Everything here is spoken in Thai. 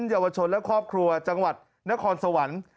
เยาวชนและครอบครัวจังหวัดนครสวรรค์